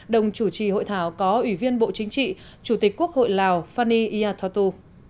đồng chủ trì hội thảo có ủy viên bộ chính trị chủ tịch quốc hội lào fanny iatotu